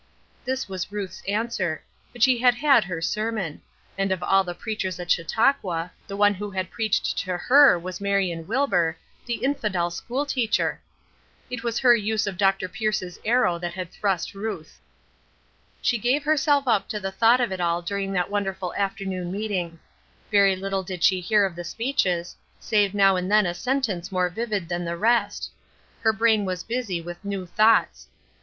This was Ruth's answer; but she had had her sermon; and of all the preachers at Chautauqua, the one who had preached to her was Marion Wilbur, the infidel school teacher! It was her use of Dr. Pierce's arrow that had thrust Ruth. She gave herself up to the thought of it all during that wonderful afternoon meeting. Very little did she hear of the speeches, save now and then a sentence more vivid than the rest; her brain was busy with new thoughts.